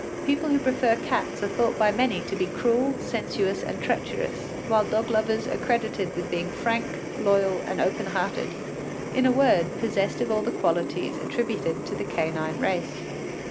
People who prefer cats are thought by many to be cruel, sensuous, and treacherous, while dog lovers are credited with being frank, loyal, and open hearted, in a word, possessed of all the qualities attributed to the canine race.